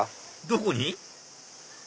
どこに？